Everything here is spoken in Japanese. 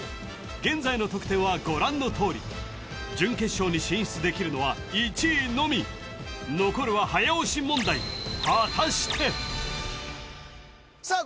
現在の得点はご覧のとおり準決勝に進出できるのは１位のみ残るは早押し問題果たしてさあ